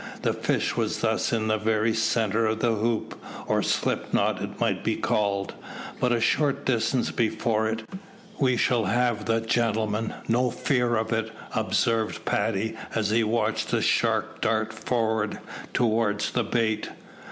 The fish was thus in the very centre of the hoop, or slip knot it might be called, but a short distance before it, "We shall have the gentleman, no fear of it," observed Paddy, as he watched the shark dart forward towards the bait.